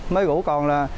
mới rủ còn là